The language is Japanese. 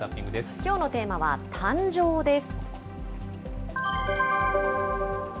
きょうのテーマは誕生です。